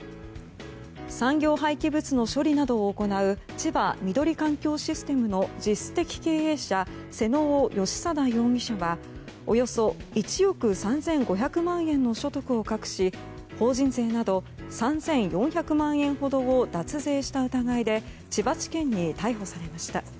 産業廃棄物の処理などを行う千葉緑環境システムの実質的経営者妹尾整定容疑者はおよそ１億３５００万円の所得を隠し、法人税など３４００万円ほどを脱税した疑いで千葉地検に逮捕されました。